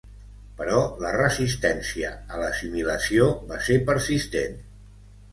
Però la resistència a l'assimilació va ser persistent.